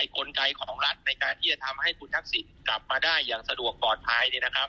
กลไกของรัฐในการที่จะทำให้คุณทักษิณกลับมาได้อย่างสะดวกปลอดภัย